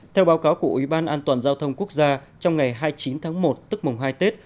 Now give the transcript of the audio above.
theo báo cáo của ủy ban an toàn giao thông quốc gia trong ngày hai mươi chín tháng một tức mùng hai tết